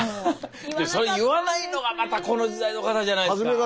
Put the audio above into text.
それ言わないのがまたこの時代の方じゃないですか。